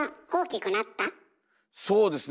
そうですね